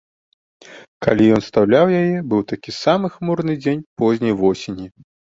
Калі ён устаўляў яе, быў такі самы хмурны дзень позняй восені.